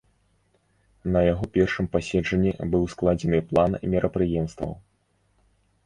На яго першым паседжанні быў складзены план мерапрыемстваў.